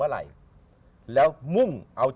เพราะเขาไม่เจอรัก